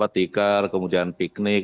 t car kemudian piknik